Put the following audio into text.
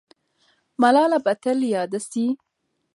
ملاله به تل یاده سي.